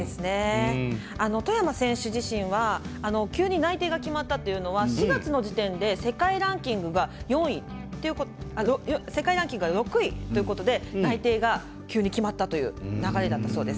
外山選手自身は急に内定が決まったというのは４月の時点で世界ランキングが６位ということで内定が急に決まったという流れだったそうです。